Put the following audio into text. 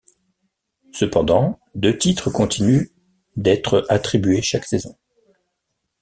Cependant, deux titres continuent d'être attribués chaque saison.